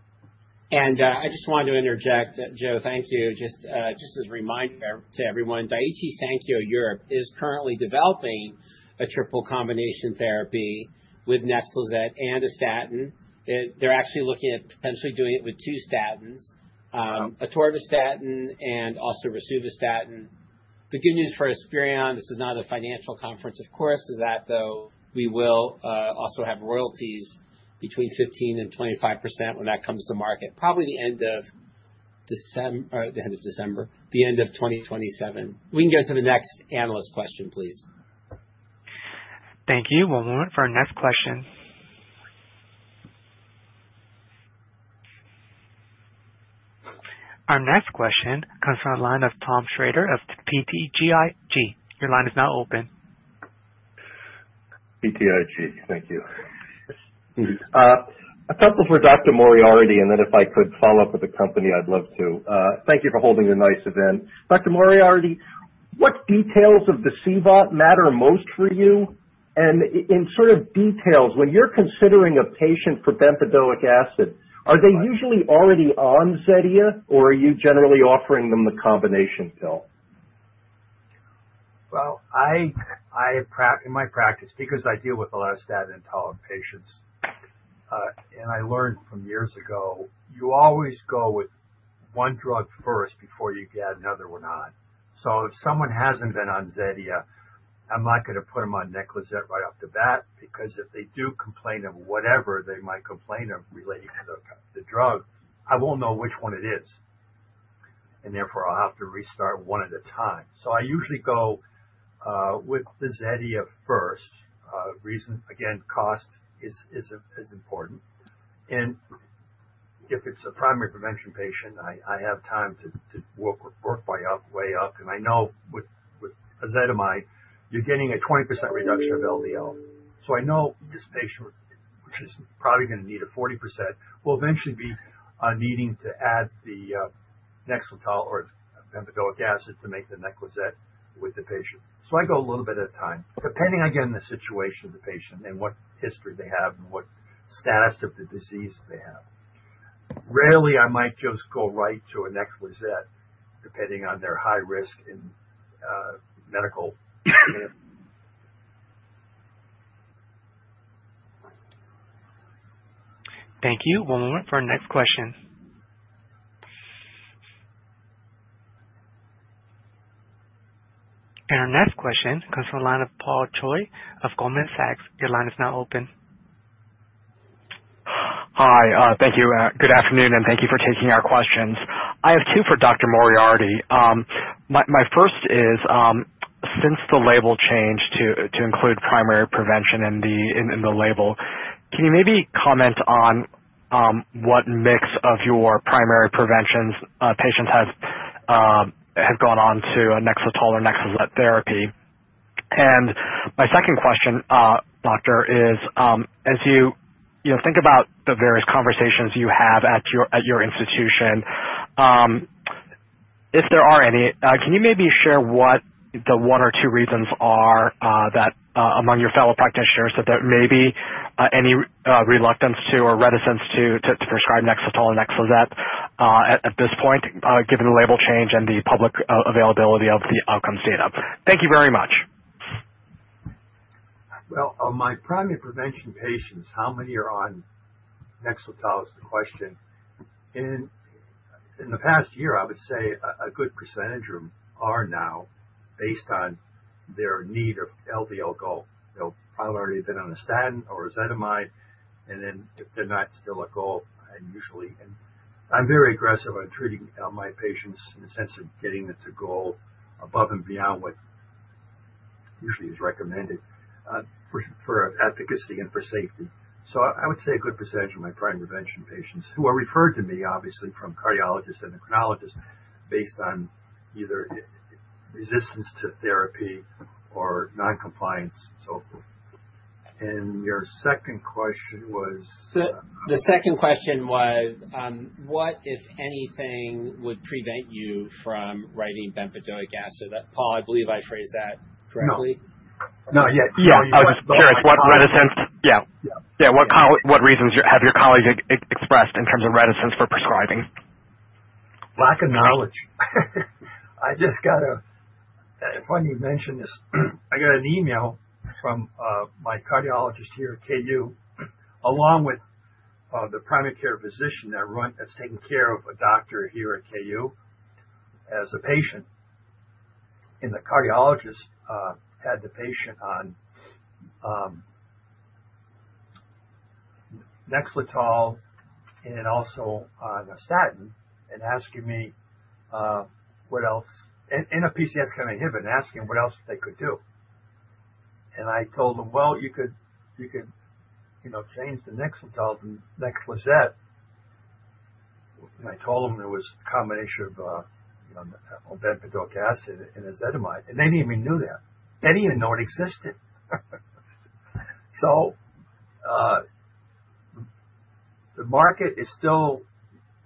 I just wanted to interject, Joe, thank you. Just as a reminder to everyone, Daiichi Sankyo Europe is currently developing a triple combination therapy with NEXLIZET and a statin. They're actually looking at potentially doing it with two statins: atorvastatin and also rosuvastatin. The good news for Esperion, this is not a financial conference, of course, is that though we will also have royalties between 15%-25% when that comes to market, probably the end of December or the end of December, the end of 2027. We can go to the next analyst question, please. Thank you. One moment for our next question. Our next question comes from the line of Tom Shrader of BTIG. Your line is now open. BTIG. Thank you. A couple for Dr. Moriarty, and then if I could follow up with the company, I'd love to. Thank you for holding the nice event. Dr. Moriarty, what details of the CVOT matter most for you? And in sort of details, when you're considering a patient for bempedoic acid, are they usually already on Zetia, or are you generally offering them the combination pill? In my practice, because I deal with a lot of statin-intolerant patients, and I learned from years ago, you always go with one drug first before you add another one on. If someone hasn't been on Zetia, I'm not going to put them on NEXLIZET right off the bat because if they do complain of whatever they might complain of relating to the drug, I won't know which one it is. Therefore, I'll have to restart one at a time. I usually go with the Zetia first. Cost is important. If it's a primary prevention patient, I have time to work my way up. I know with ezetimibe, you're getting a 20% reduction of LDL. So I know this patient, which is probably going to need a 40%, will eventually be needing to add the NEXLETOL or bempedoic acid to make the NEXLIZET with the patient. So I go a little bit at a time, depending, again, on the situation of the patient and what history they have and what status of the disease they have. Rarely, I might just go right to a NEXLIZET depending on their high risk and medical. Thank you. One moment for our next question, and our next question comes from the line of Paul Choi of Goldman Sachs. Your line is now open. Hi. Thank you. Good afternoon, and thank you for taking our questions. I have two for Dr. Moriarty. My first is, since the label changed to include primary prevention in the label, can you maybe comment on what mix of your primary preventions patients have gone on to NEXLETOL or NEXLIZET therapy? And my second question, Doctor, is as you think about the various conversations you have at your institution, if there are any, can you maybe share what the one or two reasons are among your fellow practitioners that there may be any reluctance to or reticence to prescribe NEXLETOL or NEXLIZET at this point, given the label change and the public availability of the outcomes data? Thank you very much. Well, on my primary prevention patients, how many are on NEXLETOL is the question. In the past year, I would say a good percentage are now based on their need of LDL goal. They'll probably already been on a statin or ezetimibe, and then if they're not still at goal, I'm very aggressive on treating my patients in the sense of getting them to goal above and beyond what usually is recommended for efficacy and for safety. So I would say a good percentage of my primary prevention patients who are referred to me, obviously, from cardiologists and endocrinologists based on either resistance to therapy or non-compliance, so forth. And your second question was? The second question was, what, if anything, would prevent you from writing bempedoic acid? Paul, I believe I phrased that correctly. No. No. Yeah. Yeah. I was just curious what reticence. Yeah. Yeah. What reasons have your colleagues expressed in terms of reticence for prescribing? Lack of knowledge. I just got to—if I need to mention this, I got an email from my cardiologist here at KU, along with the primary care physician that's taking care of a doctor here at KU, as a patient. And the cardiologist had the patient on NEXLETOL and also on a statin and asking me what else and a PCSK9 inhibitor and asking what else they could do. And I told them, "Well, you could change the NEXLETOL to NEXLIZET." And I told them it was a combination of bempedoic acid and ezetimibe. And they didn't even know that. They didn't even know it existed. So the market is still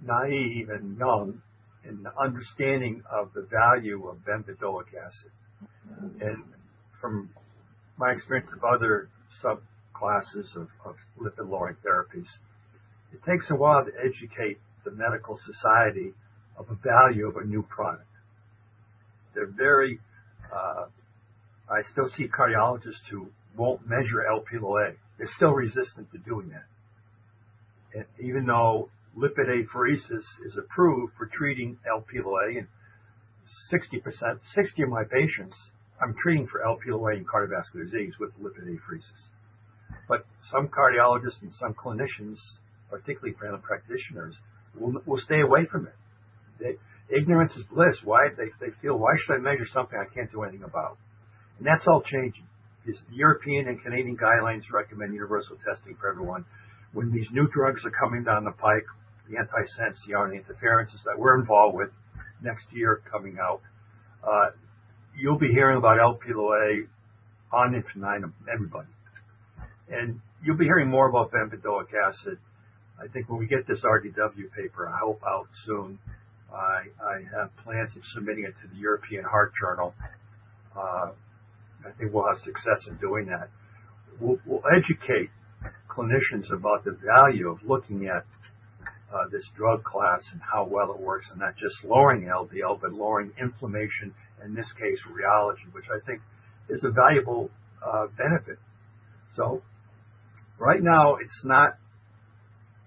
naive and young in the understanding of the value of bempedoic acid. And from my experience of other subclasses of lipid-lowering therapies, it takes a while to educate the medical society of the value of a new product. I still see cardiologists who won't measure Lp(a). They're still resistant to doing that. And even though lipid apheresis is approved for treating Lp(a), and 60 of my patients, I'm treating for Lp(a) and cardiovascular disease with lipid apheresis. But some cardiologists and some clinicians, particularly family practitioners, will stay away from it. Ignorance is bliss. They feel, "Why should I measure something I can't do anything about?" And that's all changing. The European and Canadian guidelines recommend universal testing for everyone. When these new drugs are coming down the pike, the antisense, the RNA interferences that we're involved with next year coming out, you'll be hearing about Lp(a) on the 29th, everybody. And you'll be hearing more about bempedoic acid. I think when we get this RDW paper, I hope out soon. I have plans of submitting it to the European Heart Journal. I think we'll have success in doing that. We'll educate clinicians about the value of looking at this drug class and how well it works, and not just lowering LDL, but lowering inflammation, in this case, rheology, which I think is a valuable benefit. So right now, it's not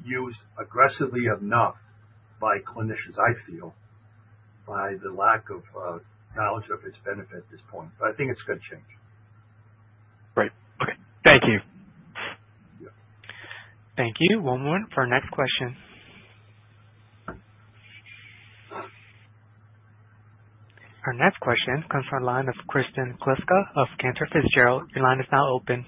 used aggressively enough by clinicians, I feel, by the lack of knowledge of its benefit at this point. But I think it's going to change. Great. Okay. Thank you. Thank you. One moment for our next question. Our next question comes from the line of Kristen Kluska of Cantor Fitzgerald. Your line is now open.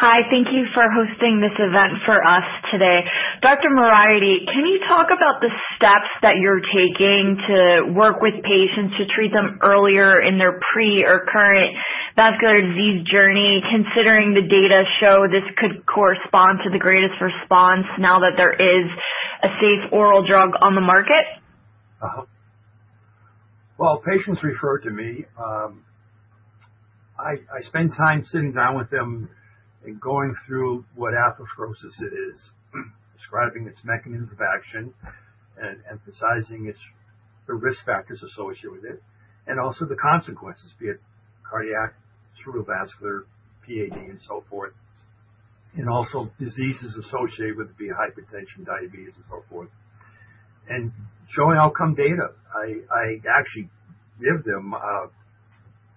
Hi. Thank you for hosting this event for us today. Dr. Moriarty, can you talk about the steps that you're taking to work with patients to treat them earlier in their pre or current vascular disease journey, considering the data show this could correspond to the greatest response now that there is a safe oral drug on the market? Well, patients refer to me. I spend time sitting down with them and going through what atherosclerosis is, describing its mechanism of action and emphasizing the risk factors associated with it, and also the consequences, be it cardiac, cerebrovascular, PAD, and so forth, and also diseases associated with it, be it hypertension, diabetes, and so forth, and showing outcome data. I actually give them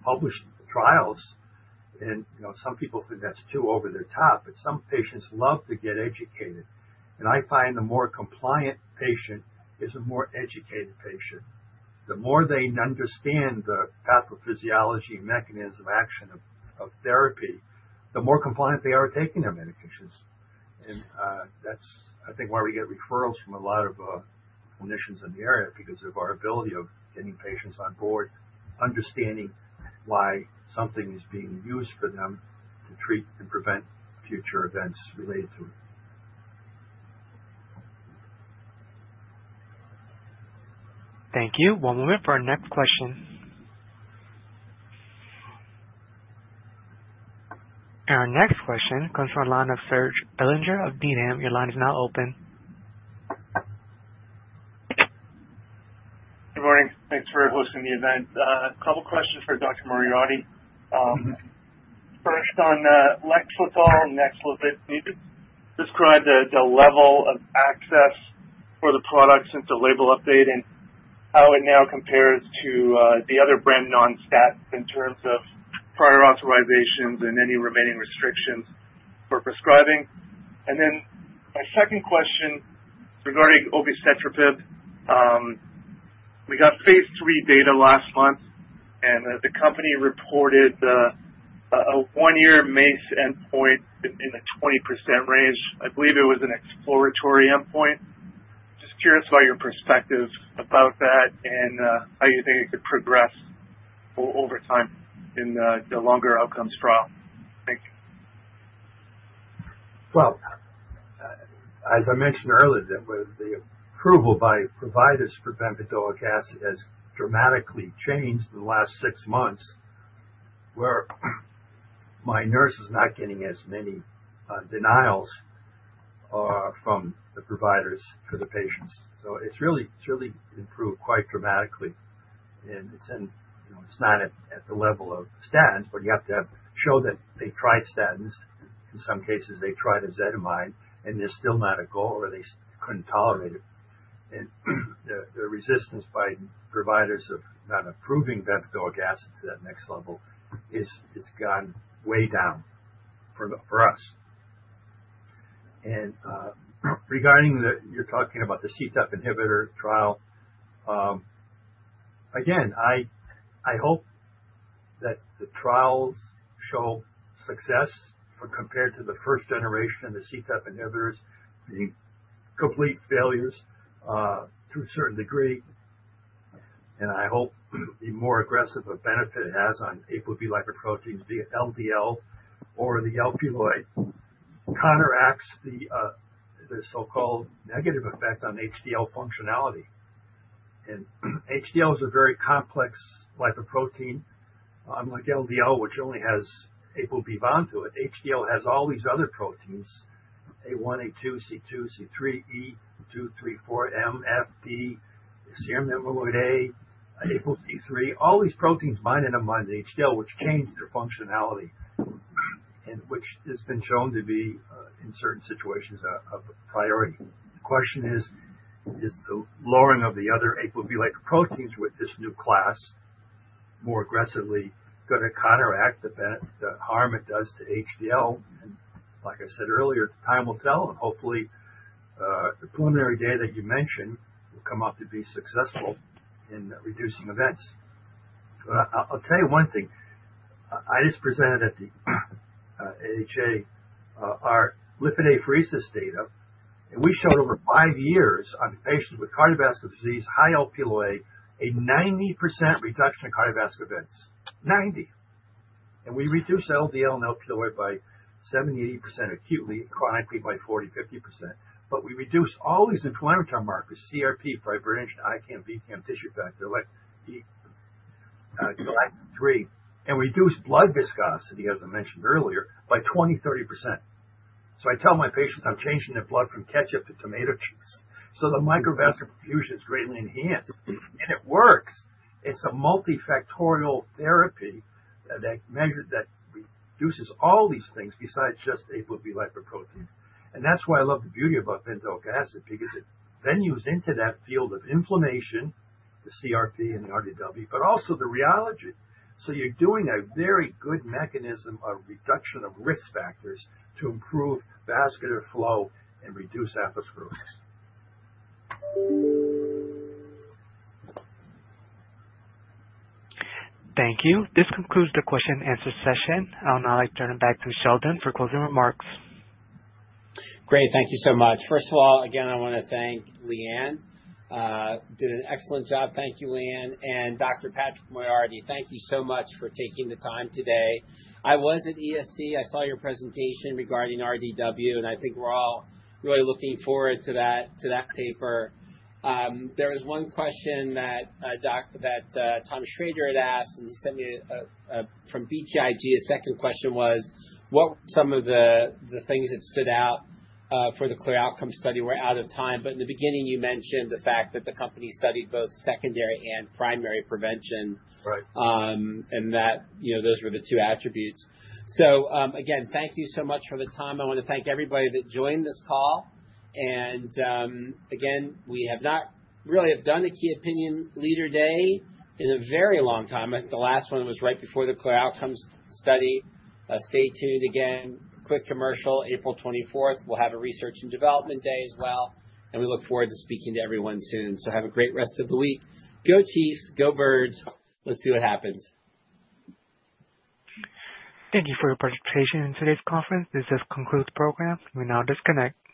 published trials. And some people think that's too over the top, but some patients love to get educated. And I find the more compliant patient is a more educated patient. The more they understand the pathophysiology and mechanism of action of therapy, the more compliant they are taking their medications. And that's, I think, why we get referrals from a lot of clinicians in the area because of our ability of getting patients on board, understanding why something is being used for them to treat and prevent future events related to it. Thank you. One moment for our next question. And our next question comes from the line of Serge Belanger of Needham. Your line is now open. Good morning. Thanks for hosting the event. A couple of questions for Dr. Moriarty. First, on NEXLETOL and NEXLIZET, can you describe the level of access for the products since the label update and how it now compares to the other brand non-stats in terms of prior authorizations and any remaining restrictions for prescribing? And then my second question regarding obicetrapib. We got phase III data last month, and the company reported a one-year MACE endpoint in the 20% range. I believe it was an exploratory endpoint. Just curious about your perspective about that and how you think it could progress over time in the longer outcomes trial. Thank you. Well, as I mentioned earlier, the approval by providers for bempedoic acid has dramatically changed in the last six months where my nurse is not getting as many denials from the providers for the patients. So it's really improved quite dramatically. And it's not at the level of statins, but you have to show that they tried statins. In some cases, they tried ezetimibe, and they're still not at goal or they couldn't tolerate it. And the resistance by providers of not approving bempedoic acid to that next level has gone way down for us. Regarding your talking about the CETP inhibitor trial, again, I hope that the trials show success compared to the first generation of the CETP inhibitors, being complete failures to a certain degree. I hope the more aggressive a benefit it has on ApoB lipoprotein, the LDL or the Lp(a), counteracts the so-called negative effect on HDL functionality. HDL is a very complex lipoprotein, unlike LDL, which only has ApoB bound to it. HDL has all these other proteins: A1, A2, C2, C3, E2, 3, 4, M, F, D, serum amyloid A, ApoC-III. All these proteins bind and unbind the HDL, which changed their functionality, which has been shown to be, in certain situations, a priority. The question is, is the lowering of the other ApoB-like proteins with this new class more aggressively going to counteract the harm it does to HDL? Like I said earlier, time will tell. Hopefully, the preliminary data that you mentioned will come out to be successful in reducing events. I'll tell you one thing. I just presented at the AHA our lipid apheresis data, and we showed over five years on patients with cardiovascular disease, high Lp(a), a 90% reduction in cardiovascular events. 90. We reduced LDL and Lp(a) by 70%-80% acutely, chronically by 40%-50%. We reduced all these inflammatory markers: CRP, fibrinogen, ICAM, VCAM, tissue factor, Galectin-3, and reduced blood viscosity, as I mentioned earlier, by 20%-30%. I tell my patients I'm changing their blood from ketchup to tomato juice. The microvascular perfusion is greatly enhanced. It works. It's a multifactorial therapy that reduces all these things besides just ApoB lipoprotein. And that's why I love the beauty about bempedoic acid because it then moves into that field of inflammation, the CRP and the RDW, but also the rheology. So you're doing a very good mechanism of reduction of risk factors to improve vascular flow and reduce atherosclerosis. Thank you. This concludes the question-and-answer session. I'll now turn it back to Sheldon for closing remarks. Great. Thank you so much. First of all, again, I want to thank LeAnne. Did an excellent job. Thank you, LeAnne. And Dr. Patrick Moriarty, thank you so much for taking the time today. I was at ESC. I saw your presentation regarding RDW, and I think we're all really looking forward to that paper. There was one question that Tom Shrader had asked, and he sent me from BTIG. His second question was, "What were some of the things that stood out for the CLEAR Outcomes study?" We're out of time. But in the beginning, you mentioned the fact that the company studied both secondary and primary prevention and that those were the two attributes. So again, thank you so much for the time. I want to thank everybody that joined this call. And again, we have not really done a key opinion leader day in a very long time. I think the last one was right before the CLEAR Outcomes study. Stay tuned again. Quick commercial, April 24th. We'll have a Research and Development Day as well. And we look forward to speaking to everyone soon. So have a great rest of the week. Go, Chiefs. Go, Birds. Let's see what happens. Thank you for your participation in today's conference. This has concluded the program. We now disconnect.